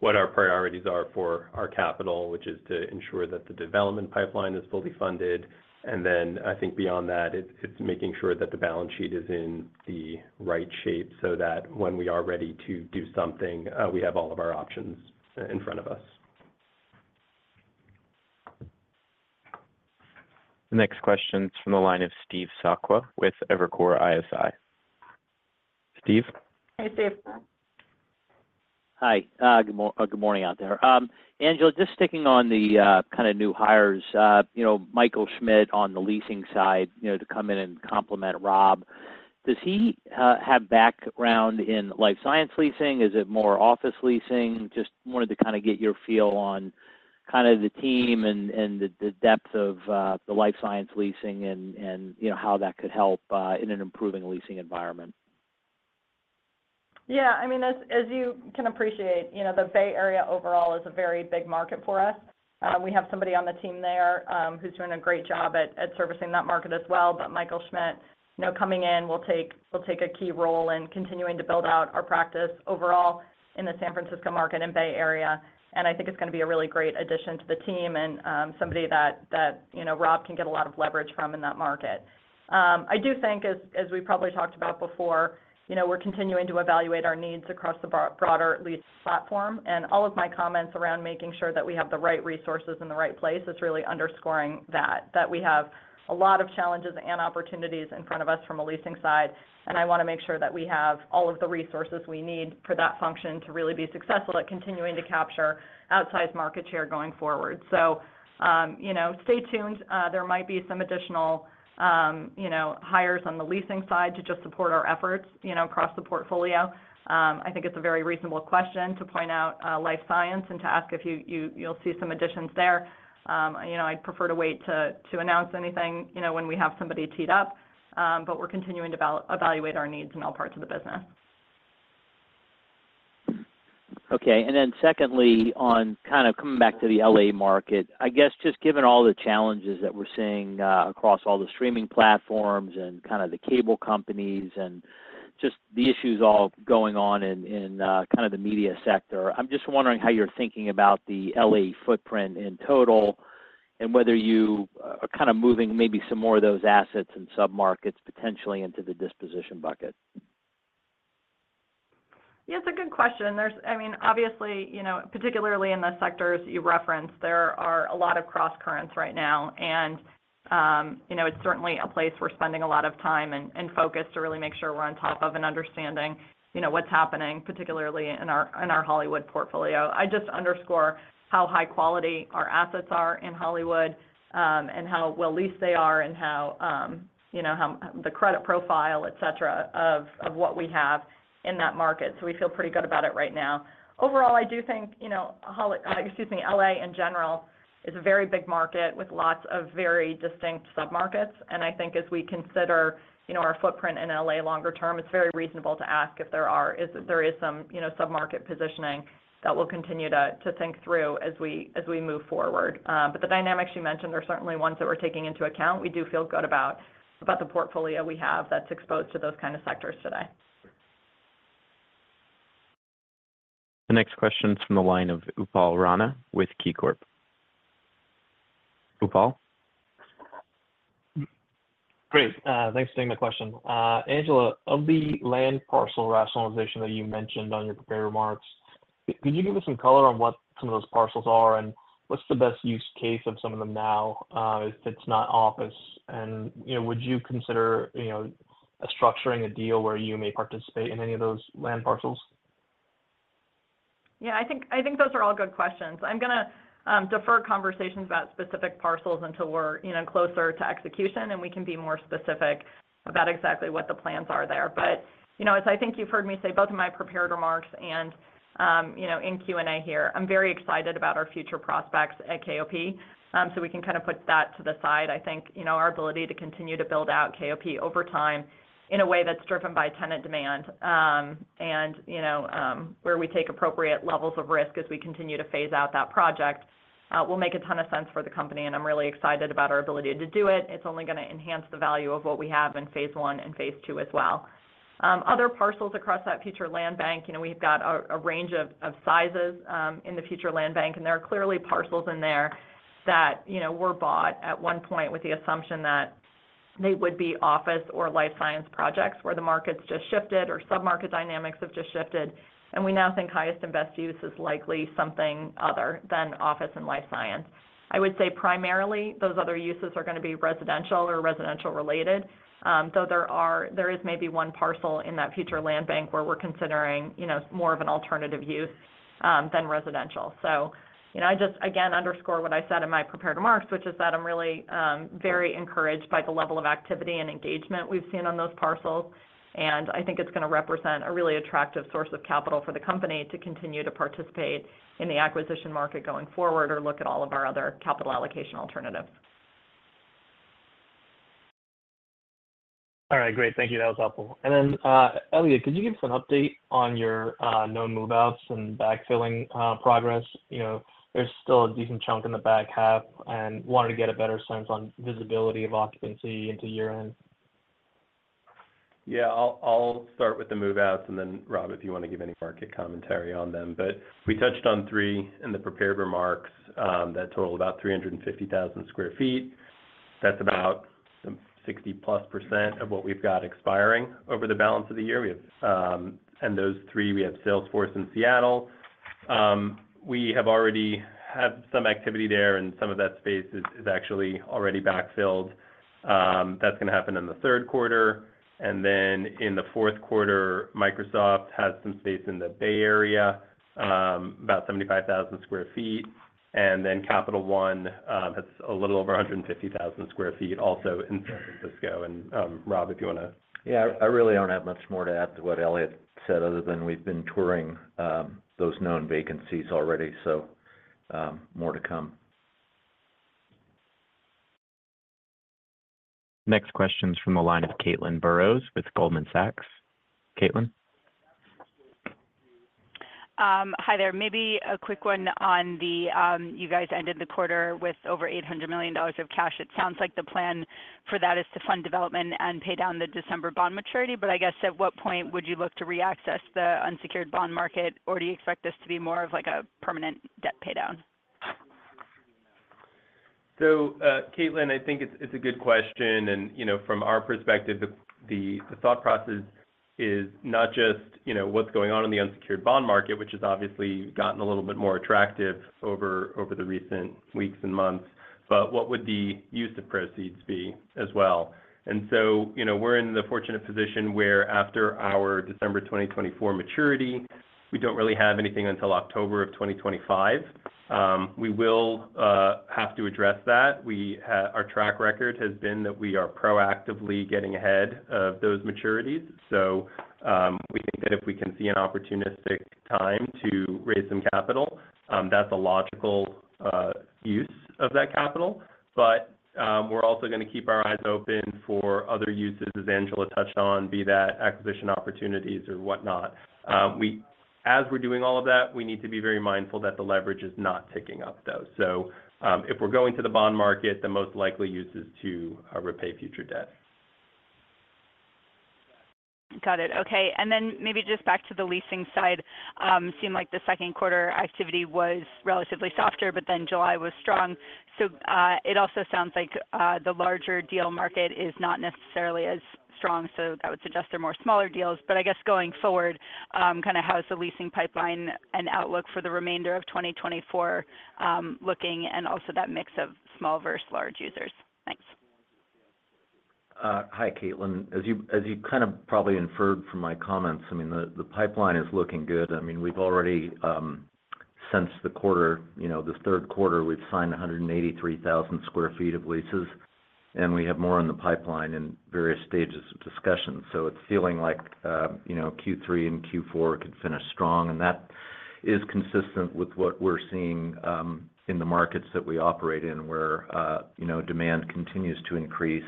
what our priorities are for our capital, which is to ensure that the development pipeline is fully funded. And then I think beyond that, it's, it's making sure that the balance sheet is in the right shape, so that when we are ready to do something, we have all of our options in front of us. The next question is from the line of Steve Sakwa with Evercore ISI. Steve? Hey, Steve. Hi. Good morning out there. Angela, just sticking on the kind of new hires, you know, Michael Schmidt on the leasing side, you know, to come in and complement Rob. Does he have background in life science leasing? Is it more office leasing? Just wanted to kind of get your feel on kind of the team and the depth of the life science leasing and, you know, how that could help in an improving leasing environment. Yeah, I mean, as, as you can appreciate, you know, the Bay Area overall is a very big market for us. We have somebody on the team there, who's doing a great job at servicing that market as well. But Michael Schmidt, you know, coming in, will take a key role in continuing to build out our practice overall in the San Francisco market and Bay Area, and I think it's gonna be a really great addition to the team and, somebody that, that, you know, Rob can get a lot of leverage from in that market. I do think as we probably talked about before, you know, we're continuing to evaluate our needs across the broader lease platform, and all of my comments around making sure that we have the right resources in the right place is really underscoring that we have a lot of challenges and opportunities in front of us from a leasing side, and I wanna make sure that we have all of the resources we need for that function to really be successful at continuing to capture outsized market share going forward. So, you know, stay tuned. There might be some additional, you know, hires on the leasing side to just support our efforts, you know, across the portfolio. I think it's a very reasonable question to point out life science and to ask if you'll see some additions there. You know, I'd prefer to wait to announce anything, you know, when we have somebody teed up. But we're continuing to evaluate our needs in all parts of the business. Okay. And then secondly, on kind of coming back to the L.A. market, I guess, just given all the challenges that we're seeing across all the streaming platforms and kind of the cable companies, and just the issues all going on in kind of the media sector, I'm just wondering how you're thinking about the L.A. footprint in total, and whether you are kind of moving maybe some more of those assets and submarkets potentially into the disposition bucket? Yeah, it's a good question. There's, I mean, obviously, you know, particularly in the sectors you referenced, there are a lot of crosscurrents right now, and, you know, it's certainly a place we're spending a lot of time and focus to really make sure we're on top of and understanding, you know, what's happening, particularly in our Hollywood portfolio. I just underscore how high quality our assets are in Hollywood, and how well-leased they are, and how, you know, how the credit profile, et cetera, of what we have in that market. So we feel pretty good about it right now. Overall, I do think, you know, excuse me, LA in general is a very big market with lots of very distinct submarkets, and I think as we consider, you know, our footprint in LA longer term, it's very reasonable to ask if there are... if there is some, you know, submarket positioning that we'll continue to think through as we move forward. But the dynamics you mentioned are certainly ones that we're taking into account. We do feel good about the portfolio we have that's exposed to those kind of sectors today. The next question is from the line of Upal Rana with KeyCorp. Upal? Great. Thanks for taking the question. Angela, of the land parcel rationalization that you mentioned on your prepared remarks, could you give us some color on what some of those parcels are, and what's the best use case of some of them now, if it's not office? And, you know, would you consider, you know, structuring a deal where you may participate in any of those land parcels? Yeah, I think, I think those are all good questions. I'm gonna defer conversations about specific parcels until we're, you know, closer to execution, and we can be more specific about exactly what the plans are there. But, you know, as I think you've heard me say, both in my prepared remarks and, you know, in Q&A here, I'm very excited about our future prospects at KOP, so we can kind of put that to the side. I think, you know, our ability to continue to build out KOP over time in a way that's driven by tenant demand, and, you know, where we take appropriate levels of risk as we continue to phase out that project, will make a ton of sense for the company, and I'm really excited about our ability to do it. It's only gonna enhance the value of what we have in phase one and phase two as well. Other parcels across that future land bank, you know, we've got a range of sizes in the future land bank, and there are clearly parcels in there that, you know, were bought at one point with the assumption that they would be office or life science projects, where the market's just shifted or submarket dynamics have just shifted. We now think highest and best use is likely something other than office and life science. I would say primarily, those other uses are gonna be residential or residential related. Though there is maybe one parcel in that future land bank where we're considering, you know, more of an alternative use than residential. So, you know, I just, again, underscore what I said in my prepared remarks, which is that I'm really very encouraged by the level of activity and engagement we've seen on those parcels, and I think it's gonna represent a really attractive source of capital for the company to continue to participate in the acquisition market going forward, or look at all of our other capital allocation alternatives. All right, great. Thank you. That was helpful. And then, Eliott, could you give us an update on your, known move-outs and backfilling, progress? You know, there's still a decent chunk in the back half, and wanted to get a better sense on visibility of occupancy into year-end. Yeah, I'll start with the move-outs, and then Rob, if you want to give any market commentary on them. But we touched on three in the prepared remarks, that total about 350,000 sq ft. That's about some 60+% of what we've got expiring over the balance of the year. We have... In those three, we have Salesforce in Seattle. We have already had some activity there, and some of that space is actually already backfilled. That's gonna happen in the Q3, and then in the Q4, Microsoft has some space in the Bay Area, about 75,000 sq ft, and then Capital One has a little over 150,000 sq ft, also in San Francisco. And, Rob, if you want to- Yeah, I really don't have much more to add to what Eliott said, other than we've been touring those known vacancies already. So, more to come. Next question's from the line of Caitlin Burrows with Goldman Sachs. Caitlin? Hi there. Maybe a quick one on the, you guys ended the quarter with over $800 million of cash. It sounds like the plan for that is to fund development and pay down the December bond maturity, but I guess, at what point would you look to reaccess the unsecured bond market, or do you expect this to be more of, like, a permanent debt paydown? So, Caitlin, I think it's a good question. You know, from our perspective, the thought process is not just, you know, what's going on in the unsecured bond market, which has obviously gotten a little bit more attractive over the recent weeks and months, but what would the use of proceeds be as well? You know, we're in the fortunate position where after our December 2024 maturity, we don't really have anything until October of 2025. We will have to address that. Our track record has been that we are proactively getting ahead of those maturities. So, we think that if we can see an opportunistic time to raise some capital, that's a logical use of that capital. But, we're also gonna keep our eyes open for other uses, as Angela touched on, be that acquisition opportunities or whatnot. As we're doing all of that, we need to be very mindful that the leverage is not ticking up, though. So, if we're going to the bond market, the most likely use is to repay future debt. Got it. Okay, and then maybe just back to the leasing side, seemed like the Q2 activity was relatively softer, but then July was strong. So, it also sounds like, the larger deal market is not necessarily as strong, so that would suggest they're more smaller deals. But I guess going forward, kind of how is the leasing pipeline and outlook for the remainder of 2024, looking, and also that mix of small versus large users? Thanks. Hi, Caitlin. As you kind of probably inferred from my comments, I mean, the pipeline is looking good. I mean, we've already since the quarter, you know, this Q3, we've signed 183,000 sq ft of leases, and we have more in the pipeline in various stages of discussion. So it's feeling like, you know, Q3 and Q4 could finish strong, and that is consistent with what we're seeing in the markets that we operate in, where, you know, demand continues to increase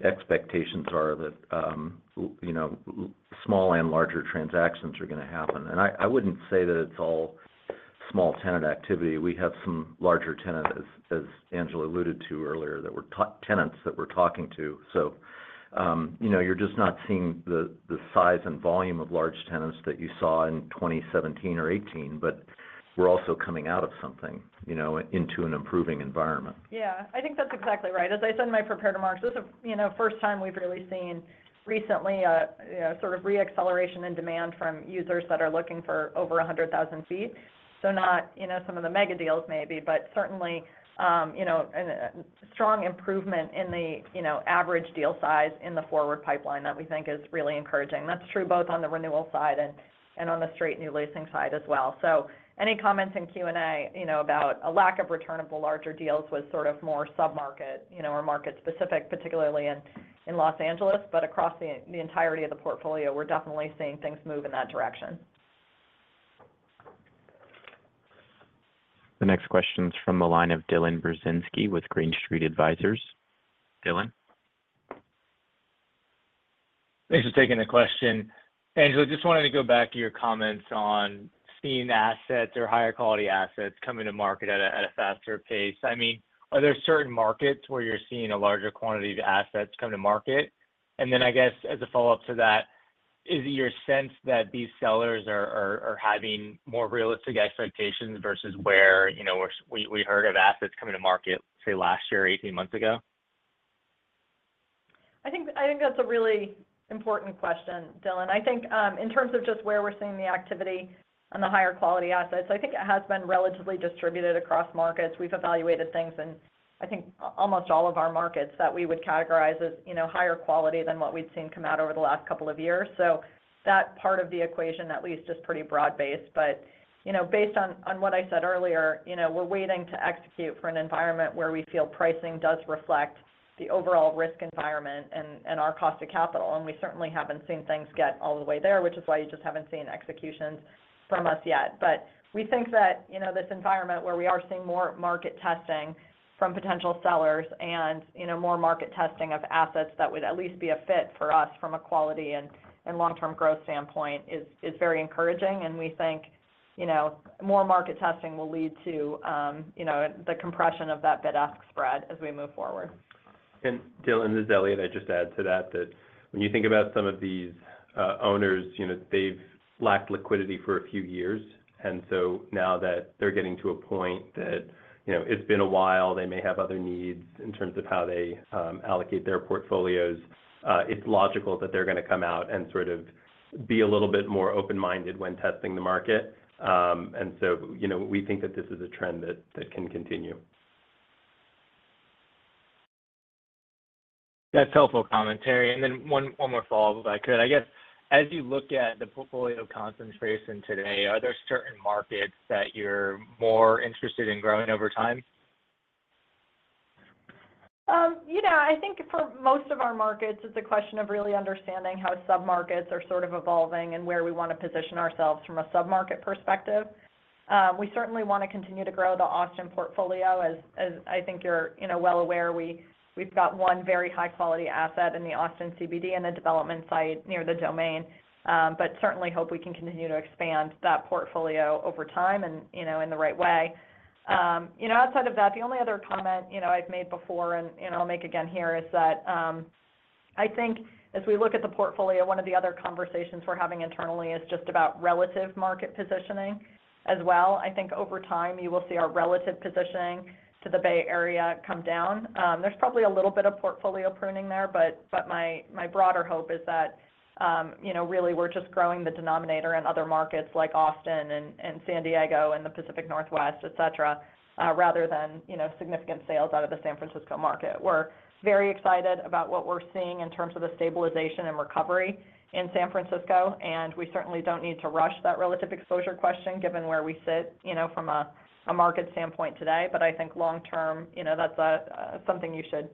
and expectations are that, you know, small and larger transactions are gonna happen. And I wouldn't say that it's all small tenant activity. We have some larger tenant, as Angela alluded to earlier, that we're tenants that we're talking to. So, you know, you're just not seeing the size and volume of large tenants that you saw in 2017 or 2018, but we're also coming out of something, you know, into an improving environment. Yeah. I think that's exactly right. As I said in my prepared remarks, this is, you know, first time we've really seen recently a sort of re-acceleration in demand from users that are looking for over 100,000 sq ft. So not, you know, some of the mega deals maybe, but certainly, strong improvement in the, you know, average deal size in the forward pipeline that we think is really encouraging. That's true both on the renewal side and on the straight new leasing side as well. So any comments in Q&A, you know, about a lack of return of the larger deals was sort of more submarket, you know, or market specific, particularly in Los Angeles, but across the entirety of the portfolio, we're definitely seeing things move in that direction. The next question's from the line of Burzinski with Green Street Advisors. Dylan? Thanks for taking the question. Angela, just wanted to go back to your comments on seeing assets or higher quality assets coming to market at a faster pace. I mean, are there certain markets where you're seeing a larger quantity of assets come to market? And then, I guess, as a follow-up to that... Is it your sense that these sellers are having more realistic expectations versus where, you know, where we heard of assets coming to market, say, last year, eighteen months ago? I think, I think that's a really important question, Dylan. I think, in terms of just where we're seeing the activity on the higher quality assets, I think it has been relatively distributed across markets. We've evaluated things in, I think, almost all of our markets that we would categorize as, you know, higher quality than what we've seen come out over the last couple of years. So that part of the equation, at least, is pretty broad-based. But, you know, based on what I said earlier, you know, we're waiting to execute for an environment where we feel pricing does reflect the overall risk environment and our cost of capital. We certainly haven't seen things get all the way there, which is why you just haven't seen executions from us yet. But we think that, you know, this environment where we are seeing more market testing from potential sellers and, you know, more market testing of assets that would at least be a fit for us from a quality and long-term growth standpoint is very encouraging. And we think, you know, more market testing will lead to, you know, the compression of that bid-ask spread as we move forward. Dylan, this is Eliott. I'd just add to that, that when you think about some of these owners, you know, they've lacked liquidity for a few years. And so now that they're getting to a point that, you know, it's been a while, they may have other needs in terms of how they allocate their portfolios, it's logical that they're gonna come out and sort of be a little bit more open-minded when testing the market. And so, you know, we think that this is a trend that can continue. That's helpful commentary. And then one more follow-up, if I could. I guess, as you look at the portfolio concentration today, are there certain markets that you're more interested in growing over time? You know, I think for most of our markets, it's a question of really understanding how submarkets are sort of evolving and where we want to position ourselves from a submarket perspective. We certainly want to continue to grow the Austin portfolio, as I think you're, you know, well aware. We've got one very high-quality asset in the Austin CBD and a development site near The Domain. But certainly hope we can continue to expand that portfolio over time and, you know, in the right way. You know, outside of that, the only other comment, you know, I've made before and I'll make again here, is that I think as we look at the portfolio, one of the other conversations we're having internally is just about relative market positioning as well. I think over time, you will see our relative positioning to the Bay Area come down. There's probably a little bit of portfolio pruning there, but my broader hope is that, you know, really, we're just growing the denominator in other markets like Austin and San Diego and the Pacific Northwest, et cetera, rather than, you know, significant sales out of the San Francisco market. We're very excited about what we're seeing in terms of the stabilization and recovery in San Francisco, and we certainly don't need to rush that relative exposure question, given where we sit, you know, from a market standpoint today. But I think long term, you know, that's something you should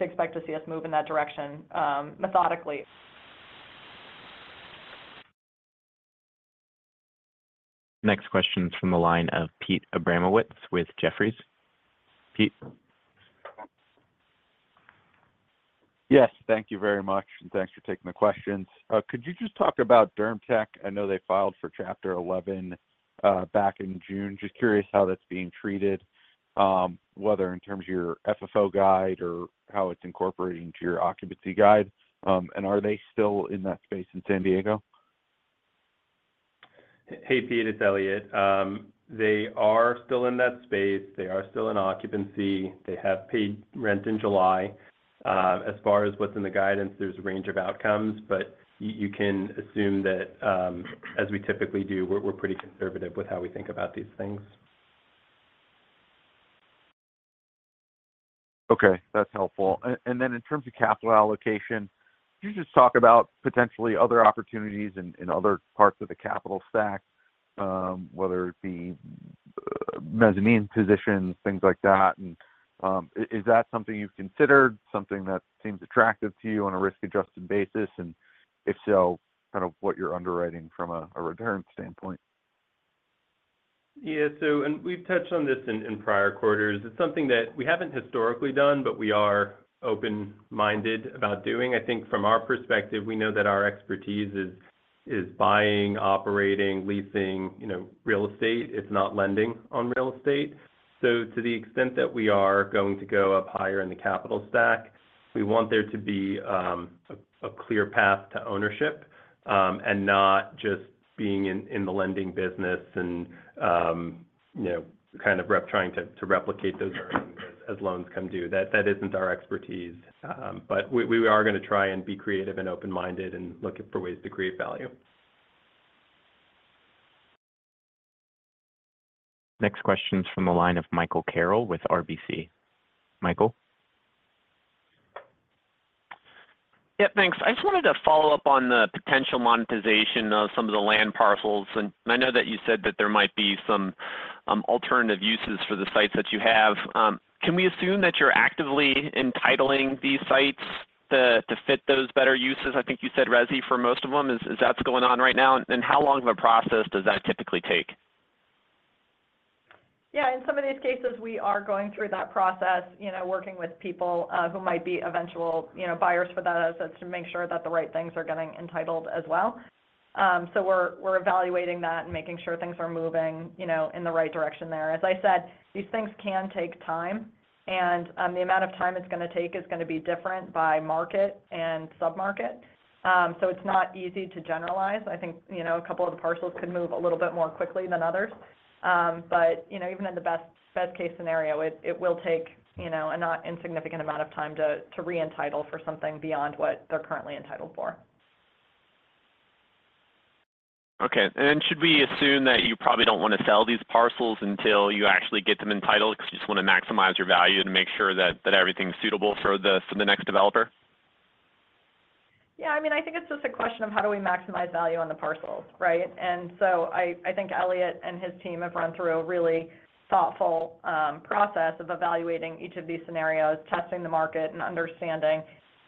expect to see us move in that direction, methodically. Next question from the line of Pete Abramowitz with Jefferies. Pete? Yes, thank you very much, and thanks for taking the questions. Could you just talk about DermTech? I know they filed for Chapter 11 back in June. Just curious how that's being treated, whether in terms of your FFO guide or how it's incorporating to your occupancy guide. Are they still in that space in San Diego? Hey, Pete, it's Eliott. They are still in that space. They are still in occupancy. They have paid rent in July. As far as what's in the guidance, there's a range of outcomes, but you can assume that, as we typically do, we're pretty conservative with how we think about these things. Okay, that's helpful. And then in terms of capital allocation, can you just talk about potentially other opportunities in other parts of the capital stack, whether it be mezzanine positions, things like that? And, is that something you've considered, something that seems attractive to you on a risk-adjusted basis? And if so, kind of what you're underwriting from a return standpoint. Yeah. We've touched on this in prior quarters. It's something that we haven't historically done, but we are open-minded about doing. I think from our perspective, we know that our expertise is buying, operating, leasing, you know, real estate. It's not lending on real estate. So to the extent that we are going to go up higher in the capital stack, we want there to be a clear path to ownership, and not just being in the lending business and, you know, kind of trying to replicate those earnings as loans come due. That isn't our expertise, but we are gonna try and be creative and open-minded and look for ways to create value. Next question is from the line of Michael Carroll with RBC. Michael? Yeah, thanks. I just wanted to follow up on the potential monetization of some of the land parcels. And I know that you said that there might be some alternative uses for the sites that you have. Can we assume that you're actively entitling these sites to fit those better uses? I think you said resi for most of them. Is that going on right now? And how long of a process does that typically take? Yeah. In some of these cases, we are going through that process, you know, working with people who might be eventual, you know, buyers for that assets to make sure that the right things are getting entitled as well. So we're evaluating that and making sure things are moving, you know, in the right direction there. As I said, these things can take time, and the amount of time it's gonna take is gonna be different by market and submarket. So it's not easy to generalize. I think, you know, a couple of the parcels could move a little bit more quickly than others. But, you know, even in the best case scenario, it will take, you know, a not insignificant amount of time to re-entitle for something beyond what they're currently entitled for. Okay. Should we assume that you probably don't wanna sell these parcels until you actually get them entitled, 'cause you just wanna maximize your value to make sure that everything's suitable for the next developer? Yeah, I mean, I think it's just a question of how do we maximize value on the parcels, right? And so I, I think Eliott and his team have run through a really thoughtful process of evaluating each of these scenarios, testing the market, and understanding,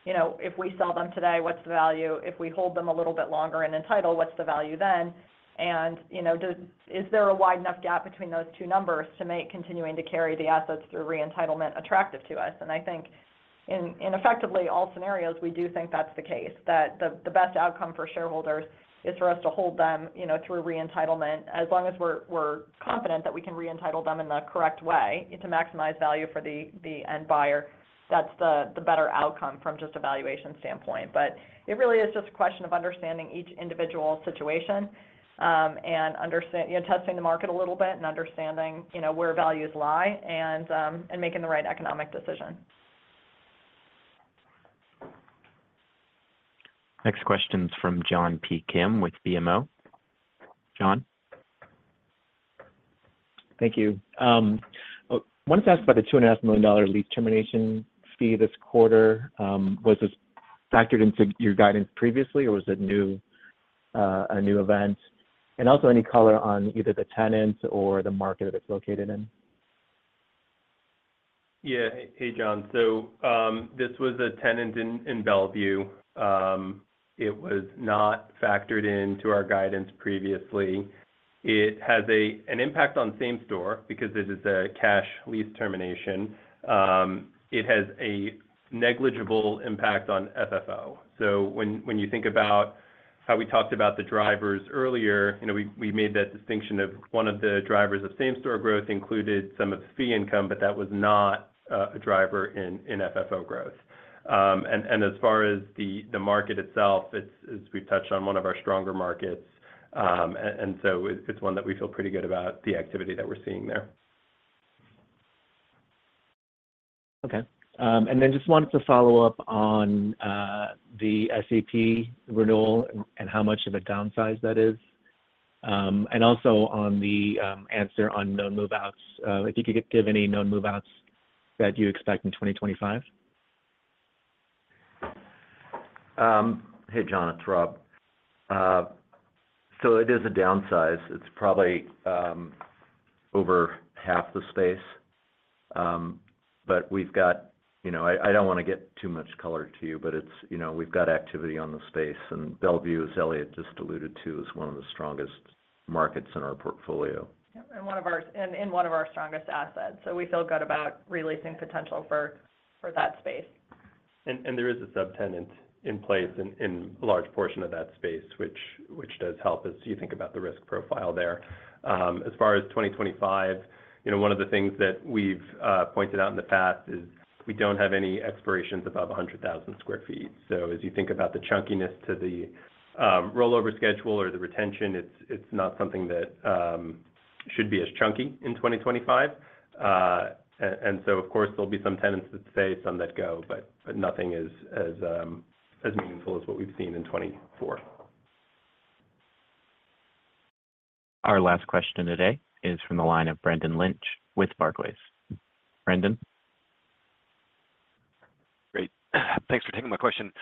you know, if we sell them today, what's the value? If we hold them a little bit longer and entitle, what's the value then? And, you know, does is there a wide enough gap between those two numbers to make continuing to carry the assets through re-entitlement attractive to us? And I think in, in effectively all scenarios, we do think that's the case, that the, the best outcome for shareholders is for us to hold them, you know, through a re-entitlement. As long as we're confident that we can re-entitle them in the correct way and to maximize value for the end buyer, that's the better outcome from just a valuation standpoint. But it really is just a question of understanding each individual situation, and testing the market a little bit and understanding, you know, where values lie and making the right economic decision. Next question's from John P. Kim with BMO. John? Thank you. Wanted to ask about the $2.5 million lease termination fee this quarter. Was this factored into your guidance previously, or was it new, a new event? And also, any color on either the tenants or the market that it's located in? Yeah. Hey, John. So, this was a tenant in Bellevue. It was not factored into our guidance previously. It has an impact on same-store because this is a cash lease termination. It has a negligible impact on FFO. So when you think about how we talked about the drivers earlier, you know, we made that distinction of one of the drivers of same-store growth included some of the fee income, but that was not a driver in FFO growth. And as far as the market itself, it's, as we've touched on, one of our stronger markets. And so it's one that we feel pretty good about the activity that we're seeing there. Okay. And then just wanted to follow up on the SAP renewal and how much of a downsize that is. And also on the answer on known move-outs, if you could give any known move-outs that you expect in 2025. Hey, John, it's Rob. So it is a downsize. It's probably over half the space. But we've got... You know, I don't wanna get too much color to you, but it's, you know, we've got activity on the space, and Bellevue, as Eliott just alluded to, is one of the strongest markets in our portfolio. Yeah, and in one of our strongest assets. So we feel good about re-leasing potential for that space. And there is a subtenant in place in a large portion of that space, which does help as you think about the risk profile there. As far as 2025, you know, one of the things that we've pointed out in the past is we don't have any expirations above 100,000 sq ft. So as you think about the chunkiness to the rollover schedule or the retention, it's not something that should be as chunky in 2025. So, of course, there'll be some tenants that stay, some that go, but nothing as meaningful as what we've seen in 2024. Our last question today is from the line of Brendan Lynch with Barclays. Brendan? Great. Thanks for taking my question.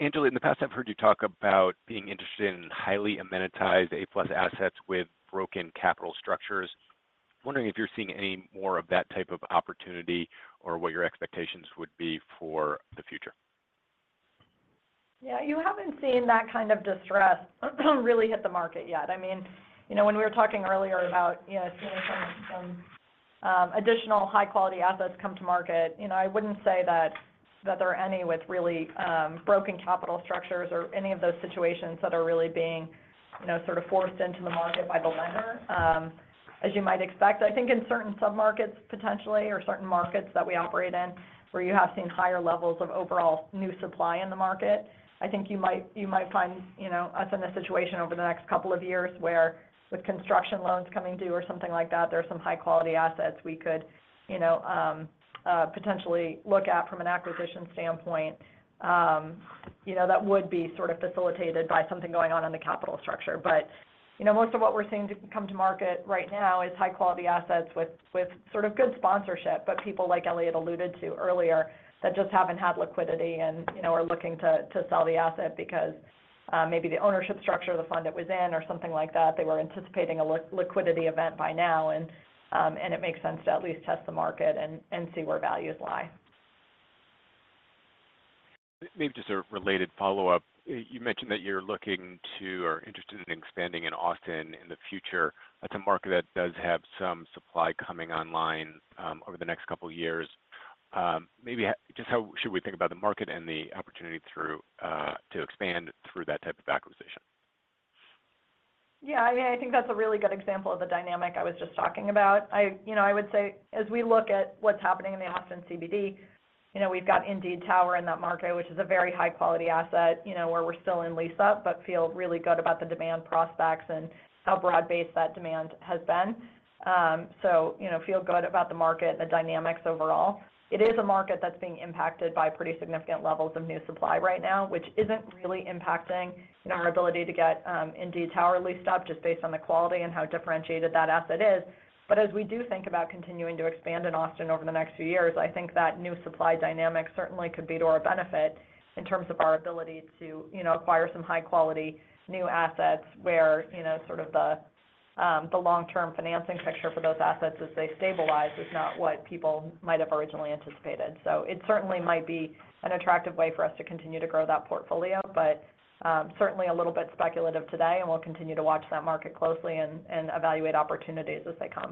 Angela, in the past, I've heard you talk about being interested in highly amenitized A-plus assets with broken capital structures. Wondering if you're seeing any more of that type of opportunity or what your expectations would be for the future? Yeah, you haven't seen that kind of distress really hit the market yet. I mean, you know, when we were talking earlier about, you know, seeing some additional high-quality assets come to market, you know, I wouldn't say that there are any with really broken capital structures or any of those situations that are really being, you know, sort of forced into the market by the lender. As you might expect, I think in certain submarkets, potentially, or certain markets that we operate in, where you have seen higher levels of overall new supply in the market, I think you might find, you know, us in a situation over the next couple of years where with construction loans coming due or something like that, there are some high-quality assets we could, you know, potentially look at from an acquisition standpoint. You know, that would be sort of facilitated by something going on in the capital structure. But, you know, most of what we're seeing to come to market right now is high-quality assets with sort of good sponsorship, but people like Eliott alluded to earlier, that just haven't had liquidity and, you know, are looking to sell the asset because, maybe the ownership structure of the fund it was in or something like that, they were anticipating a liquidity event by now. And, it makes sense to at least test the market and see where values lie. Maybe just a related follow-up. You mentioned that you're looking to or interested in expanding in Austin in the future. That's a market that does have some supply coming online, over the next couple of years. Maybe just how should we think about the market and the opportunity through, to expand through that type of acquisition? Yeah, I mean, I think that's a really good example of the dynamic I was just talking about. I, you know, I would say, as we look at what's happening in the Austin CBD, you know, we've got Indeed Tower in that market, which is a very high-quality asset, you know, where we're still in lease-up, but feel really good about the demand prospects and how broad-based that demand has been. So you know, feel good about the market and the dynamics overall. It is a market that's being impacted by pretty significant levels of new supply right now, which isn't really impacting, you know, our ability to get, Indeed Tower leased up just based on the quality and how differentiated that asset is. But as we do think about continuing to expand in Austin over the next few years, I think that new supply dynamic certainly could be to our benefit in terms of our ability to, you know, acquire some high-quality, new assets where, you know, sort of the long-term financing picture for those assets as they stabilize is not what people might have originally anticipated. So it certainly might be an attractive way for us to continue to grow that portfolio, but, certainly a little bit speculative today, and we'll continue to watch that market closely and evaluate opportunities as they come.